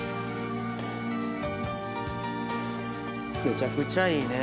めちゃくちゃいいね。